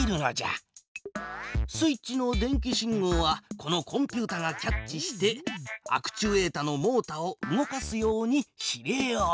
スイッチの電気信号はこのコンピュータがキャッチしてアクチュエータのモータを動かすように指令を出す。